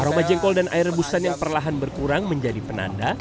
aroma jengkol dan air rebusan yang perlahan berkurang menjadi penanda